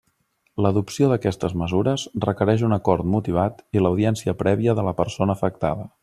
L'adopció d'aquestes mesures requereix un acord motivat i l'audiència prèvia de la persona afectada.